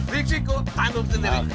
risiko tanggung sendiri